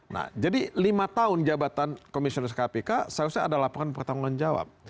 nah jadi lima tahun jabatan komisioner kpk seharusnya ada laporan pertanggung jawab